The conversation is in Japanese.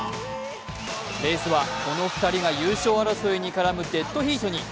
レースはこの２人が優勝争いに絡むデッドヒートに。